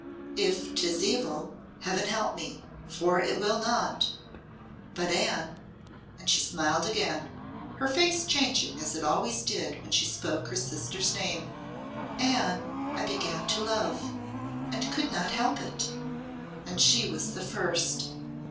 If 'tis evil, Heaven help me for it will not. But Anne" and she smiled again, her face changing as it always did when she spoke her sister's name "Anne I began to love and could not help it, and she was the first."